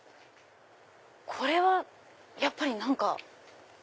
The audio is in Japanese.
これはやっぱり何か。